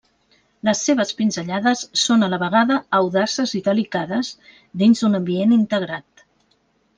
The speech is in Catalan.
Les seves pinzellades són a la vegada audaces i delicades dins d'un ambient integrat.